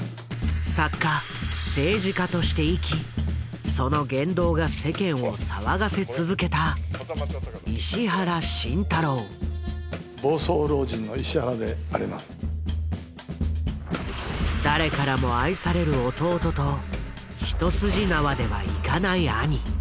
作家政治家として生きその言動が世間を騒がせ続けた誰からも愛される弟と一筋縄ではいかない兄。